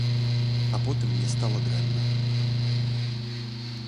А потым мне стала дрэнна.